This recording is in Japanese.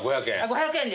５００円？